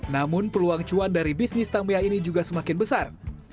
namun peluang cuan dari bisnis tangbiah ini juga semakin besar